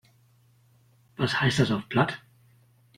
Was heißt das auf Platt?